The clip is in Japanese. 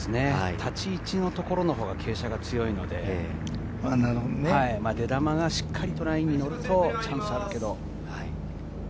立ち位置の所が傾斜が強いので、出球がしっかりとラインに乗るとチャンスはあるけど。